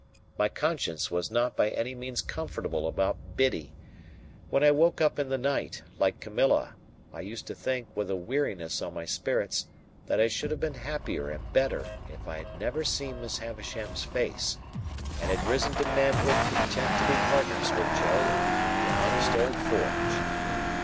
My conscience was not by any means comfortable about Biddy. When I woke up in the night,—like Camilla,—I used to think, with a weariness on my spirits, that I should have been happier and better if I had never seen Miss Havisham's face, and had risen to manhood content to be partners with Joe in the honest old forge.